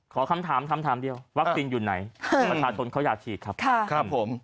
ขอคำถามคำถามเดียววัคซีนอยู่ไหนประชาชนเขาอยากฉีดครับผม